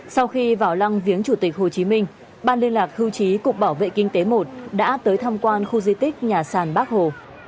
sau khi vào lăng viếng chủ tịch hồ chí minh ban liên lạc hưu trí cục bảo vệ kinh tế một đã tới tham quan khu di tích nhà sàn bắc hồ